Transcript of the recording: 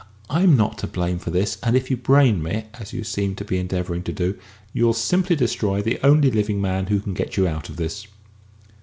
"I'm not to blame for this, and if you brain me, as you seem to be endeavouring to do, you'll simply destroy the only living man who can get you out of this."